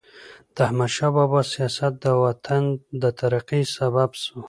د احمدشاه بابا سیاست د وطن د ترقۍ سبب سو.